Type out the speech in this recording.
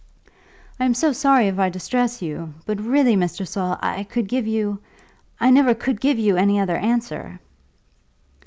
"I am so sorry if I distress you, but really, Mr. Saul, I could give you, I never could give you any other answer."